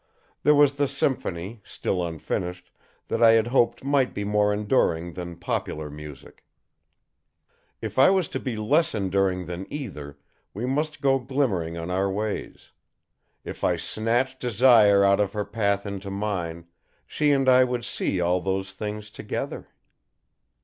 There was the symphony, still unfinished, that I had hoped might be more enduring than popular music. If I was to be less enduring than either, we must go glimmering on our ways. If I snatched Desire out of her path into mine, she and I would see all those things together.